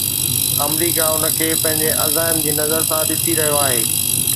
آمريڪا ان کي پنهنجي عزائم جي نظر سان ڏسي رهيو آهي.